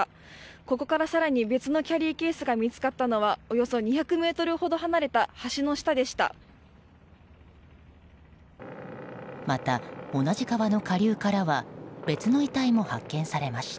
ここから更に、別のキャリーケースが見つかったのはおよそ２００ｍほど離れた橋の下でした。